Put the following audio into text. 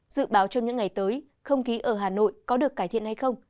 dự báo trong những ngày tới không khí ở hà nội có được cải thiện hay không